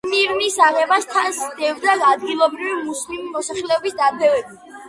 სმირნის აღებას თან სდევდა ადგილობრივი მუსლიმი მოსახლეობის დარბევები.